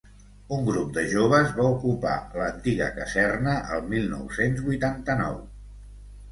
Un grup de joves va ocupar l’antiga caserna el mil nou-cents vuitanta-nou.